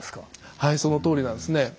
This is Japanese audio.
はいそのとおりなんですね。